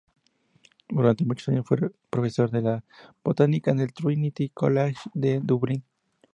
Durante muchos años fue profesor de Botánica en el Trinity College, de Dublín.